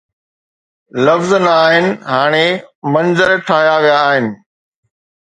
لفظ نه آهن، هاڻي منظر ٺاهيا ويا آهن.